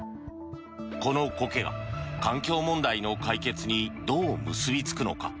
このコケが環境問題の解決にどう結びつくのか。